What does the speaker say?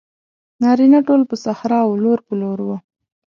نارینه ټول پر صحرا وو لور په لور وو.